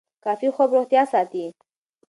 کافي خوب روغتیا ساتي.